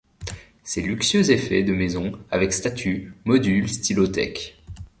Ses luxueux effets de maison avec statues, modules stylo tec.